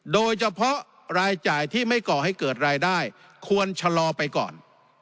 โดยเฉพาะรายจ่ายที่ไม่ก่อให้เกิดรายได้ควรชะลอไปก่อน